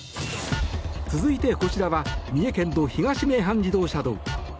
続いてこちらは三重県の東名阪自動車道。